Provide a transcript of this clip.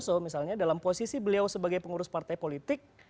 so misalnya dalam posisi beliau sebagai pengurus partai politik